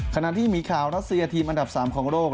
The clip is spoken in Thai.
ขณะที่มีข่าวรัสเซียทีมอันดับ๓ของโลก